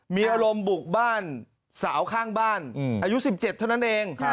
มีอารมณ์บุกบ้านสาวข้างบ้านอายุ๑๗เท่านั้นเอง